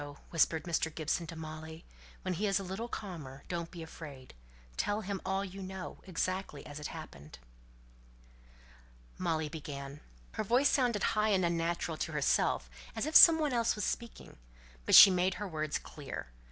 whispered Mr. Gibson to Molly. "When he's a little calmer, don't be afraid; tell him all you know, exactly as it happened." Molly began. Her voice sounded high and unnatural to herself, as if some one else was speaking, but she made her words clear.